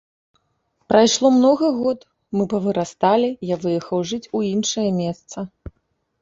Прайшло многа год, мы павырасталі, я выехаў жыць у іншае месца.